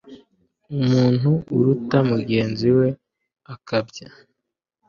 Umuntu urata mugenzi we akabya